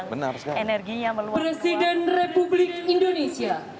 pak presiden republik indonesia